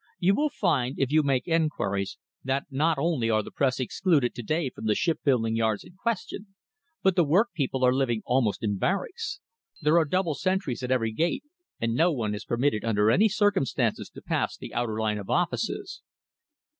You will find, if you make enquiries, that not only are the Press excluded to day from the shipbuilding yards in question, but the work people are living almost in barracks. There are double sentries at every gate, and no one is permitted under any circumstances to pass the outer line of offices."